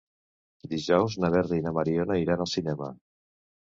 Dijous na Berta i na Mariona iran al cinema.